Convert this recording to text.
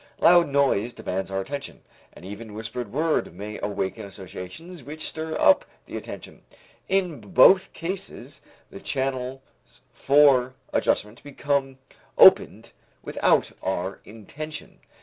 Loud noise demands our attention, and even a whispered word may awaken associations which stir up the attention. In both cases the channels for adjustment become opened without our intention.